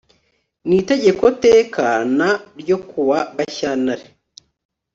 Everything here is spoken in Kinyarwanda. n Itegeko teka n ryo kuwa Gashyantare